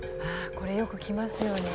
これよく来ますよね。